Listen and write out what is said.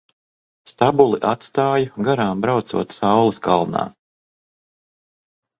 Stabuli atstāju garām braucot saules kalnā.